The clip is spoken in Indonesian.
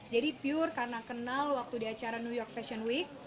jadi pure karena kenal waktu di acara new york fashion week